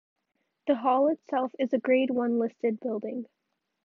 The hall itself is a Grade One listed building.